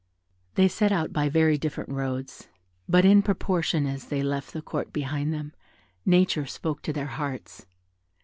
They set out by very different roads; but in proportion as they left the Court behind them, nature spoke to their hearts.